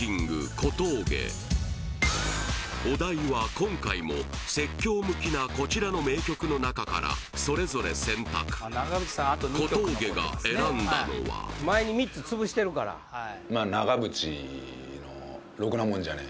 お題は今回も説教向きなこちらの名曲の中からそれぞれ選択小峠が選んだのはまあ長渕の「ろくなもんじゃねえ」